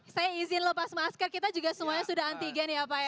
saya izin lepas masker kita juga semuanya sudah antigen ya pak ya